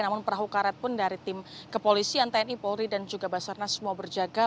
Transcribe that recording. namun perahu karet pun dari tim kepolisian tni polri dan juga basarnas semua berjaga